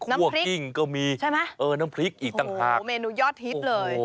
น้ำพริกใช่ไหมน้ำพริกอีกต่างหากโอ้โฮเมนูยอดฮิตเลย